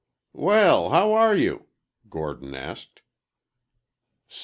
"Well, how are you?" Gordon asked.